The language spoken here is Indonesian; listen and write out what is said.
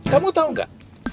kamu tau gak